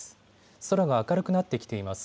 空が明るくなってきています。